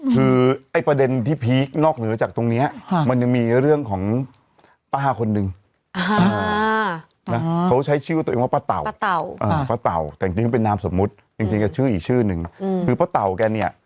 คือไอ้ประเด็นที่พีคนอกเหนือจากตรงนี้